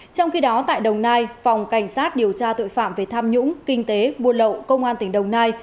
trong khi đó tại đồng nai phòng cảnh sát điều tra tội phạm về tham nhũng kinh tế buôn lậu công an tỉnh đồng nai